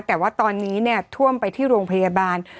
แต่ว่าตอนนี้เนี่ยท่วมไปที่โรงพยาบาล